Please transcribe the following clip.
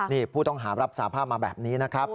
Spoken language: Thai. นี่ผู้ต้องหารับสาภาพมาแบบนี้นะครับ